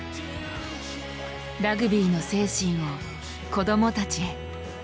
ラグビーの精神を子どもたちへ。